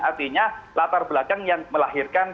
artinya latar belakang yang melahirkan